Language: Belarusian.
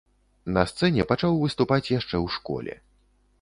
На сцэне пачаў выступаць яшчэ ў школе.